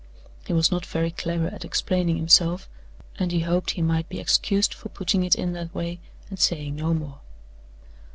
He was not very clever at explaining himself, and he hoped he might be excused for putting it in that way, and saying no more.